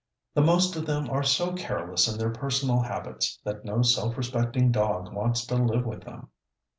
The most of them are so careless in their personal habits, that no self respecting dog wants to live with them.